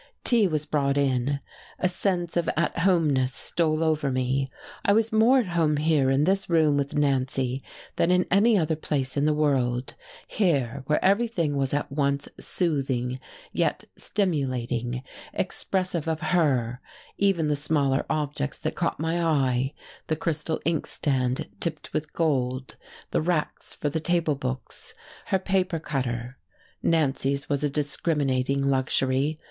Tea was brought in. A sense of at homeness stole over me, I was more at home here in this room with Nancy, than in any other place in the world; here, where everything was at once soothing yet stimulating, expressive of her, even the smaller objects that caught my eye, the crystal inkstand tipped with gold, the racks for the table books, her paper cutter. Nancy's was a discriminating luxury.